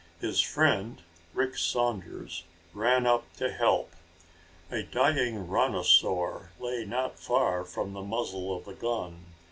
His friend, Rick Saunders, ran up to help. A dying rhinosaur lay not far from the muzzle of the gun.